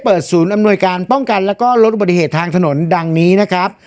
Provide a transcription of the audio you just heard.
ศูนย์อำนวยการป้องกันแล้วก็ลดอุบัติเหตุทางถนนดังนี้นะครับ